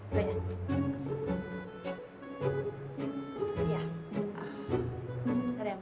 kalau begitu ini kasih ke abah